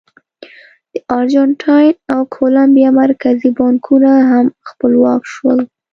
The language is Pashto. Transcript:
د ارجنټاین او کولمبیا مرکزي بانکونه هم خپلواک شول.